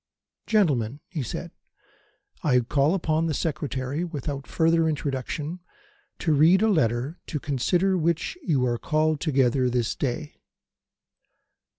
"Gentlemen," he said, "I call upon the Secretary, without further introduction, to read a letter, to consider which you are called together this day."